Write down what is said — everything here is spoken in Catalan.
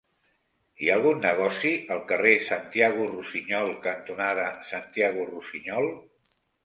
Hi ha algun negoci al carrer Santiago Rusiñol cantonada Santiago Rusiñol?